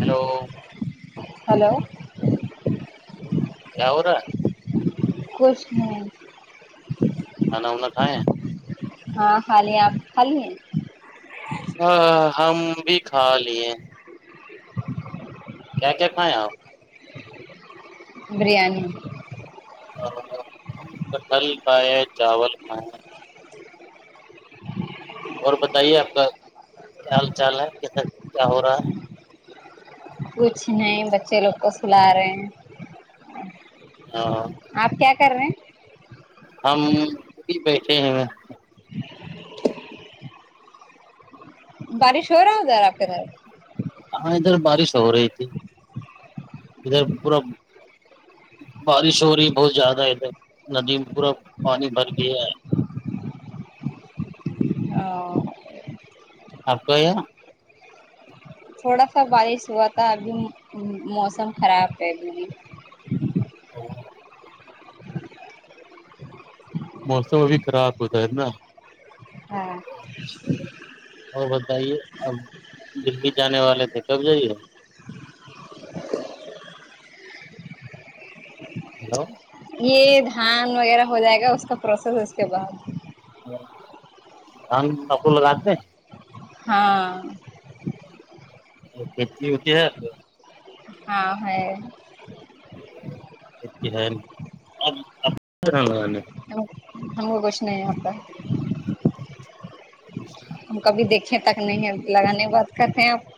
Hello hello [unintelligible] کیا ہوورا [unintelligible] کش میں [unintelligible] کھانا وا کھائیں ہاں خالی ہیں آپ خالی ہیں ہاں ہم بھی کھا لیے ہیں۔ اور کیا کیا کھائیں آ بریانی ہم کٹہل کھائے چاول کھائے [inaudible] اور بتائیے آپ کا کیا حال چال ہے کیسا کیا ہو رہا ہے کچ نہیں بچے لوگ کو سلاارے ہاں کر رہے ہیں ہم بھی بیٹھے ہیں بارش ہو رہا ہودار آپ ہاں ادھر بارش ہو رہی تھی ادھر پورا بارش ہو رہی ہے بہت زیادہ ہے ادھر ندی میں پورا پانی بھر گیا ہے ہ آپ کا یہ تھوڑا سا بارش ہوا تھا ابھی موسم خراب ہے ابھی بھی ا موسم ابھی خراب ہوتا ہے نا ہاں اور بتائیے اب دلی جانے والے تھے کب جائیے ہیلو یہ دھان وغیرہ ہو جائے گا اس کا پروسیس اس کے بعد ہم کپو لگاتے ہیں ہاں کھیتی ہوتی ہے آپ ہاں ہے ا ہےپ ہم کو کچھ نہیں آتا ہے اسچ ط ہم کبھی دیکھیں تک نہیں لگانے بات کرتے ہیں آپ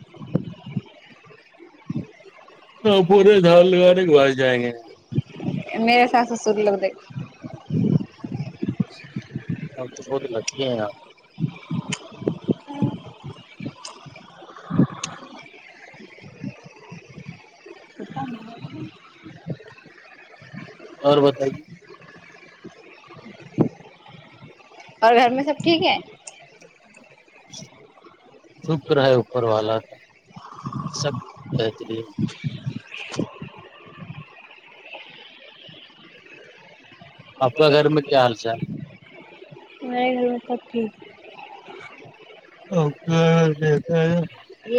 پے پورے دھان لگانے کے گ بعد جائے جائیں گے گ میرے ساس سسر لگ د ا بود ل کہ اتا م اور بتائیے اور گھر میں سب ٹھیک ہے شکر ہے اوپر والا کا سب بہترین آپ کا گھر میں کیا حال چال ہے میرے گھر میں سب ٹھیک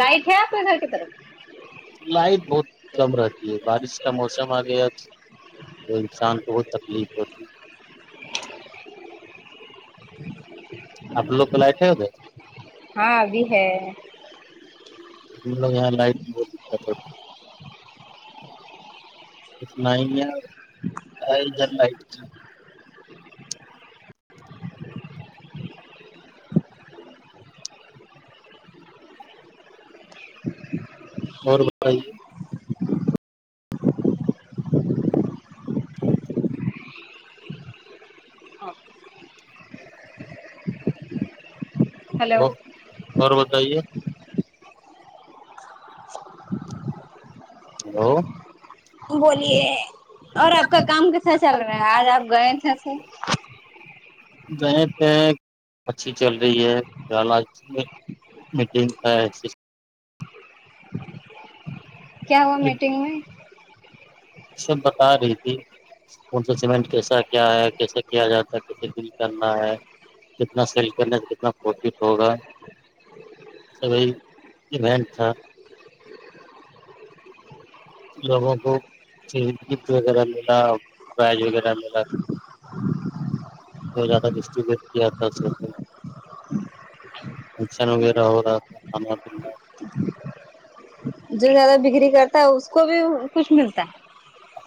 لائٹ ہے آپ کے گھر کی طرف لائٹ بہت کم رہتی ہے بارش کا موسم آ گیا وہ انسان کو بہت تکلیف ہوتی آپ لوگ کا لآٹ ہے ادھر ہاں ابھی ہے [inaudible] یہاں لائٹ ب اتنا ہی ہے ادھر لائٹ کی [inaudible] اور بتائیے [inaudible] ہاں ہاں ہلو وہ اور بتائیے ہیلو بولیے اور آپ کا کام کیسا چل رہا ہے آج آپ گئے تھےسے گئے تھے اچھی چل رہی ہے میٹنگ کا کیا ہوا میٹنگ میں سب بتا رہی تھی ان سے سیمنٹ کیسا کیا ہے کیسے کیا جاتا ہے کیسے بل کرنا ہے کتنا سیل کرنے سے کتنا پروفٹ ہوگا سبھی ایونٹ تھا لوگوں کو گفٹ وغیرہ ملا بیج وغیرہ ملا زیادہ ڈسٹریبوٹ کیا تھا فنکشن وغیرہ ہو رہا تھا کھانا پینا جو زیادہ بکری کرتا ہے اس کو بھی کچھ ملتا ہے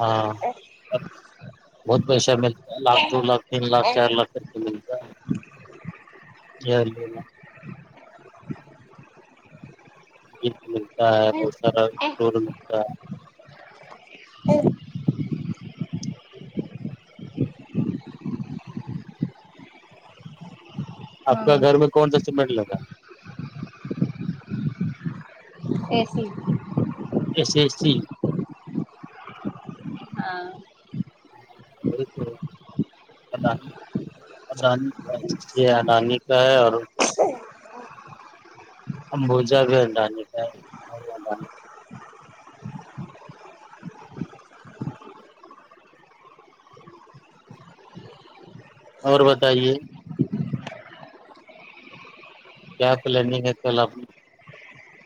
ہاں بہت پیسہ ملتا ہے لاکھ دو لاکھ تین لاکھ ہاں چار لاکھ [inaudible] [inaudible] ملتا ہے بہت سارا فور [inaudible] ملتا ہے ہ آپ کا گھر میں کون سا سیمنٹ لگا اے سی اے سی اے سی ہاں [inaudible] اڈانی اڈانی کا اڈانی کا ہے اور امبوجہ بھی اڈانی کا ہے اور بتائیے کیا پلاننگ ہے کل آپ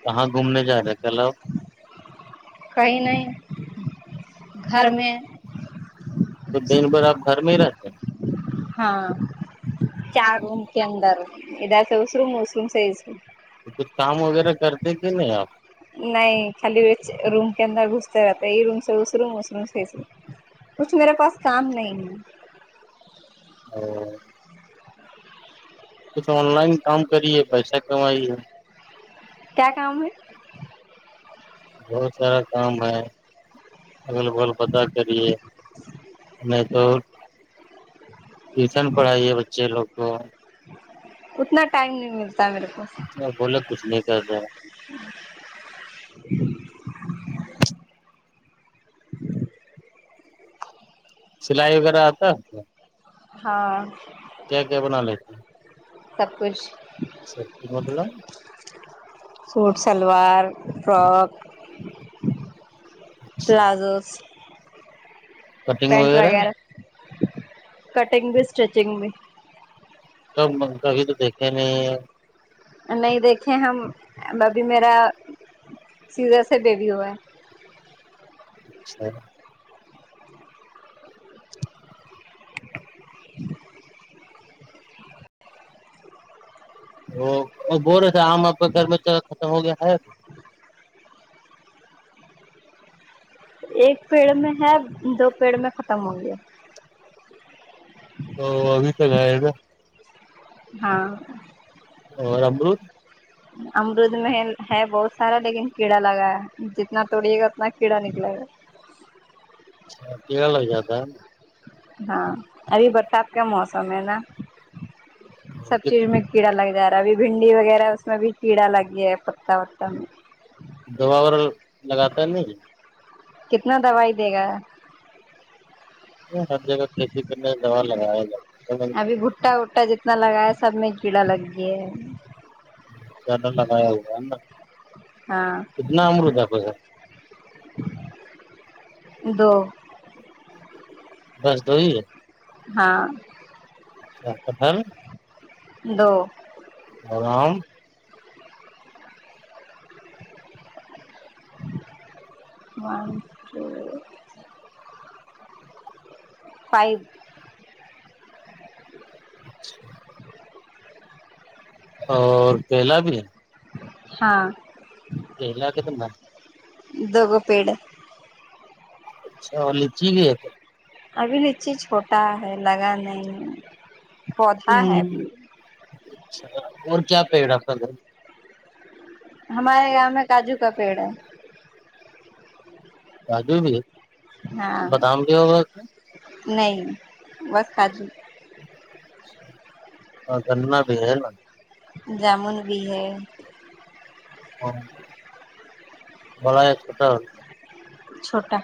کہاں گھومنے جا رہے ہیں کل آپ کہیں نہیں گھر میں تو دن بھر آپ گھر میں ہی رہتے ہاں چار روم کے اندر ادھر سے اس روم اس روم سے ر تو کچھ کام وغیرہ کرتے کہ نہیں آپ نہیں خالی روم کے اندر گھستے رہتے یہ روم سے اس روم اس روم سے کچھ میرے پاس کام نہیں ہے [unintelligible] کچھ آن لائن کام کریے پیسہ کمائیے کیا کام ہے بہت سارا کام ہے اغل بغل پتاہ کریے نہیں تو ٹیوشن پڑھائی ہے بچے لوگ کو اتنا ٹائم نہیں ملتا میرے کو بولے کچھ نہیں کر رہے سلائی وغیرہ آتا ہاں کیا کیا بنااے سب کچھ سر مگلہ suit salwar frock palazzos cutting وغیرہ کٹنگ بھی اسٹچنگ بھی کب کبھی تو دیکھے نہیں نہیں دیکھیں ہم ا ابھی میرا سیدھے سے بیبی ہوا ہے اچھا [unintelligible] وہ بول رہے تھے آم آپ کا گھر ہے میں چ ختم ہو گیا ہے ایک پیڑ میں ہے دو پیڑ میں ختم ہو گیا تو ابھی تک آئے گا ہاں اور [inaudible] امرود میں ہے بہت سارا لیکن کیڑا لگا ہے جتنا توڑیے گا اتنا کیڑا نکلے گا اچ کہ جیا تھاا ہاں ابھی برسات کا موسم ہے نا سب ہے چیز میں کیڑا لگ جا رہا ابھی بھنڈی وغیرہ ہے اس میں بھی کیڑا لگ گیا ہے پتتا وتا میں دوا وغورا لگاتا ہے نہیں کتنا دوائی دے گا ہر جگہ کھیتی کرنے دوا لگایا جات ابھی گھٹا وٹا جتنا لگا ہے سب میں ایک کیڑا لگ گیا ہے اللہ ب ہو ہاں کتنا امرت ہے پس دو [unintelligible] دس دو ہی ہے ہاں دو ٹلام مان فائو م اور کیلا بھی ہے ہاں ج ل آگ ت ب دو گ پیڑ اچھا اور لیچی بھی ہے ابھی ن چیز چھوٹا ہے لگا نہیں ہے پودا ہ ابھی اچھا اور کیا پے ڈاکٹر گھر ہمارے گاؤں میں کاجو کا پیڑ ہے کاجو بھی ہاں بادام بھی ہوگا [unintelligible] نہیں بس آجی ہاں گننا بھی ہے نا [unintelligible] جامن بھی ہے ہاں ب کتا چھوٹا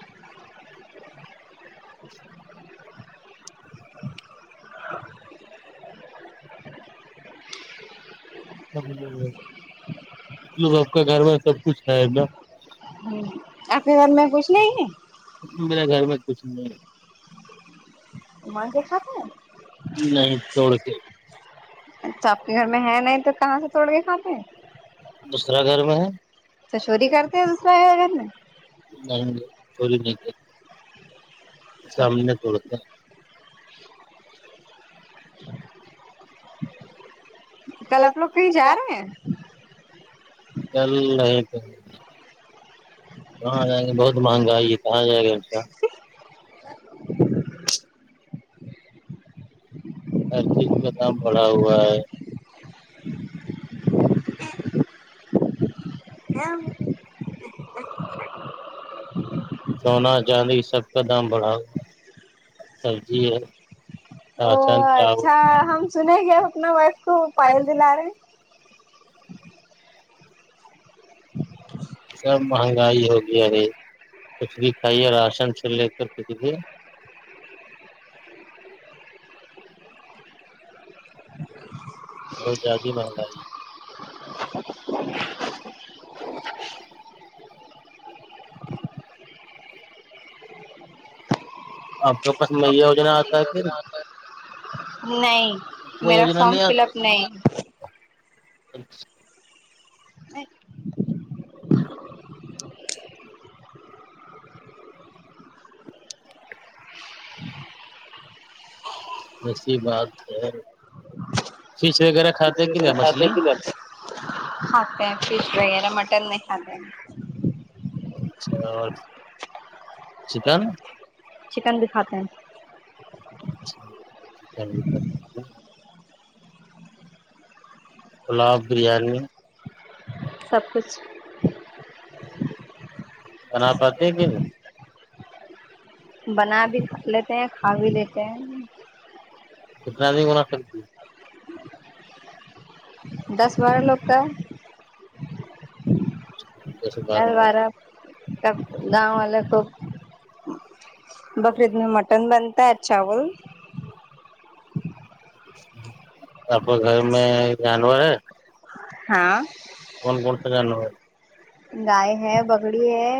ملو آپ کا گھر میں سب کچھ ہے نا ہ آپ کے گھر میں کچھ نہیں ہے [unintelligible] میرے گھر میں کچھ نہیں [unintelligible] ہم کے کاب ہیں نہیں توڑ کے [unintelligible] اچھا آپ کے گھر میں ہے نہیں تو کہاں سے توڑ گئے کھا پے دوسرا گھر میں ہے تو چورور کرتے ہیں دوسرا ہے اھر میں [unintelligible] نہیں نہیں چور نہیں [unintelligible] تو سامنے توڑتے ہیں [unintelligible] کل ہیں آپ لوگ کہیں جا رہے ہیں [inaudible] چل نہیں تو [unintelligible] کہاں جائ گ بہت مہنگا آئی ہے کہاں جائے گا انسا [unintelligible] [unintelligible] ہر چیز کا دام بڑا ہوا ہے [unintelligible] [unintelligible] ہاں [unintelligible] سونا چاندی سب کا دام بڑا ہو سبزی ہے او راشن چاول اچھا ہم سنے گے آپ اپنا وائف کو پائل دلا رہے ہیں [inaudible] سب مہنگائی ہوگی ارے کچھ بھی کھائیے راشن سے لے کر کچھ بھی بہت زیادہ مہنگائی آپ کے پاس میا وجنا آتا ہے پھر ہیں نہیں کوئی میرا یوجنا فارم نہیں آ فل اپ نہیں جی وسی بات ہے پی فش وغیرہ کھاتے کہ نہیں سہ مچھلی کلو اک فش وغیرہ مٹن نہیں خ اچھا اور چکن چکن بھی کھاتے ہیں چ چنڈیتر گلاب بریانی سب کچھ بنا پاتے کہن بنا بھی لیتے ہیں کھا بھی لیتے ہیں کتنا د ہونا سلتی دس بارہ لواک کا ہے؟ دس ڈل بارہ کا گاؤں والے خ بقرعید میں مٹن بنتا ہے چاول آپ کو گھر میں جانور ہے ہاں فن کرتا جانا ہو گائے ہے بکریی ہے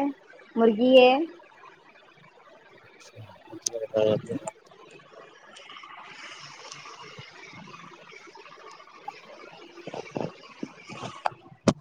مرغی ہے [unintelligible] [inaudible]